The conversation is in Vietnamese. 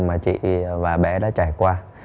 mà chị và bé đã trải qua